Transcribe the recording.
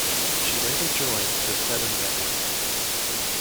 She later joined the Seven Network.